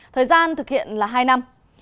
thời gian thực hiện là hai năm